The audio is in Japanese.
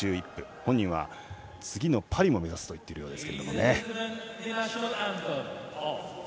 本人は次のパリも目指すと言っているようです。